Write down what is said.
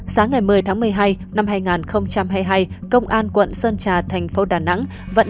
sáng ngày một mươi tháng một mươi hai năm hai nghìn hai mươi hai công an quận sơn trà thành phố đà nẵng vẫn